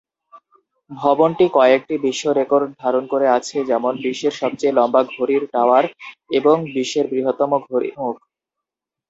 ভবনটি কয়েকটি বিশ্ব রেকর্ড ধারণ করে আছে; যেমন- বিশ্বের সবচেয়ে লম্বা ঘড়ির টাওয়ার এবং বিশ্বের বৃহত্তম ঘড়ি মুখ।